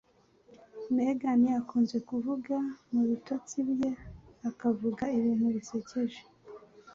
Megan akunze kuvuga mubitotsi bye akavuga ibintu bisekeje!